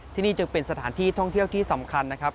ที่นี่จึงเป็นสถานที่ท่องเที่ยวที่สำคัญนะครับ